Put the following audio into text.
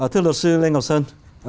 thưa luật sư lê ngọc sơn